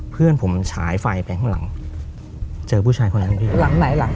เพื่อนผมฉายไฟไปข้างหลังเจอผู้ชายคนนั้นพี่หลังไหนหลัง